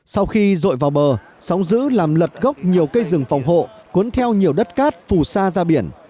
sau khi rội vào bờ sóng giữ làm lật gốc nhiều cây rừng phòng hộ cuốn theo nhiều đất cát phù sa ra biển